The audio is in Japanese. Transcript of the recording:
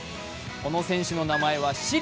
この選手の名前はシリ。